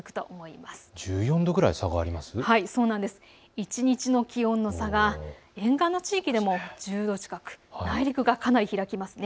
一日の気温の差が沿岸の地域でも１０度近く内陸がかなり開きます。